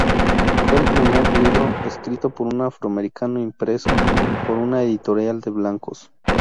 Fue el primer libro escrito por un afroamericano impreso por una editorial de blancos.